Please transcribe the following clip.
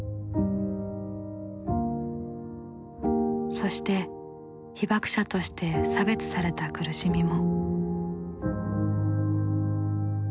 そして被爆者として差別された苦しみも。